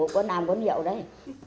con nào cũng hiểu đấy